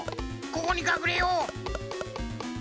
ここにかくれよう！